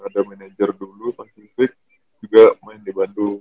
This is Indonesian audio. ada manajer dulu pasifik juga main di bandung